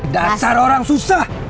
dan seorang susah